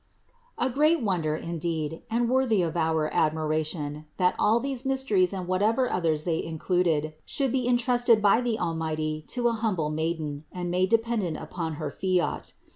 A great wonder, indeed, and worthy of our ad miration, that all these mysteries and whatever others they included, should be intrusted by the Almighty to an humble Maiden and made dependent upon her fiat.